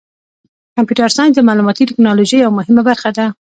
کمپیوټر ساینس د معلوماتي تکنالوژۍ یوه مهمه برخه ده.